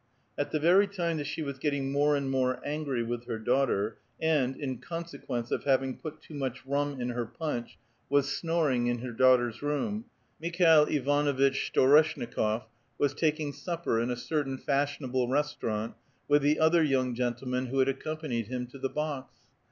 At the very time that she was getting more and more angry witli her daughter, and, in consequence of having put too much rum in her punch, was snoring in her daughter's room, Mikhail Ivanuitch Storeshnikof was taking supper in a cer tiiin fashionable restaurant with the other young gentlemen who had accompanied him to the box.